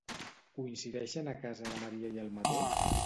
Coincideixen a casa la Maria i el Mateu?